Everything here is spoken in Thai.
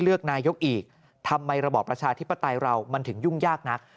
เลือกนายกอีกทำไมระบอบประชาธิปไตยเรามันถึงยุ่งยากนัก